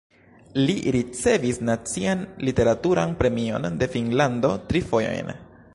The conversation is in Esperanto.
Li ricevis nacian literaturan premion de Finnlando tri fojojn.